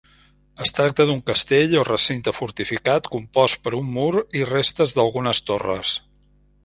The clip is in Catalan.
Es tracta d'un castell, o recinte fortificat, compost per un mur i restes d'algunes torres.